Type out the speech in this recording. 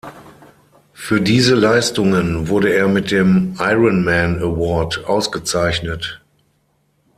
Für diese Leistungen wurde er mit dem Ironman Award ausgezeichnet.